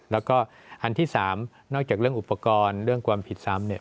แล้วก็อันที่๓นอกจากเรื่องอุปกรณ์เรื่องความผิดซ้ำเนี่ย